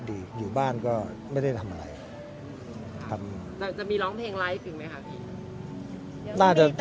ดีอยู่บ้านก็ไม่ได้ทำอะไรต่ำแต่จะมีร้องเพลงหลายคืนไหมค่ะพี่